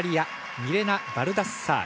ミレナ・バルダッサーリ。